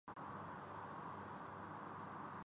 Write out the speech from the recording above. کی یکسانیت سے یہ لازم نہیں کہ انجام بھی ایک ہو